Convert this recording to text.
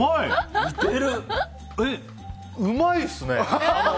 え、うまいっすね。